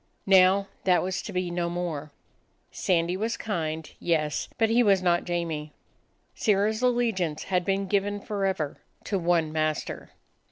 Now that was to be no more. Sandy was kind; yes, but he was not Jamie. Sirrah's allegiance had been given forever to one master.